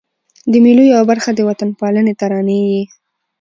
د مېلو یوه برخه د وطن پالني ترانې يي.